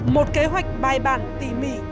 một kế hoạch bài bản tỉ mỉ